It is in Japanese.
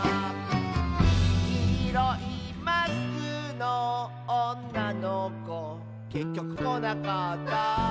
「きいろいマスクのおんなのこ」「けっきょくこなかった」